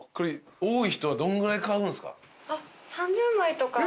多い人はどんぐらい買うんすか？